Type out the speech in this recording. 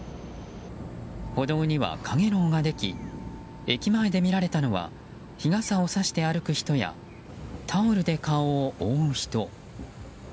歩道にはかげろうができ駅前で見られたのは日傘をさして歩く人やタオルで顔を覆う人。